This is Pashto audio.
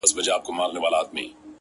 د گران صفت كومه-